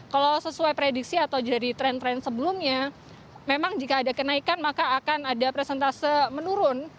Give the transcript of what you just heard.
kalau sesuai prediksi atau dari tren tren sebelumnya memang jika ada kenaikan maka akan ada presentase menurun